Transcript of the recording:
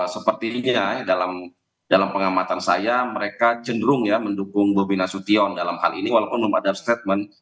sepertinya dalam pengamatan saya mereka cenderung ya mendukung bobi nasution dalam hal ini walaupun belum ada statement